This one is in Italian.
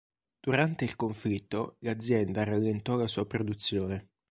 Durante il conflitto l'azienda rallentò la sua produzione.